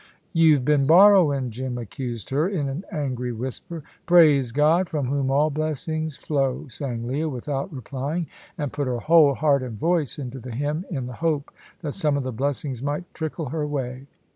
"You've been borrowin'," Jim accused her in an angry whisper. "Praise God, from Whom all blessings flow," sang Leah, without replying; and put her whole heart and voice into the hymn in the hope that some of the blessings might trickle her way.